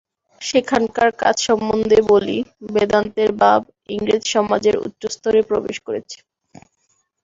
সেখানকার কাজ সম্বন্ধে বলি, বেদান্তের ভাব ইংরেজ সমাজের উচ্চ স্তরে প্রবেশ করেছে।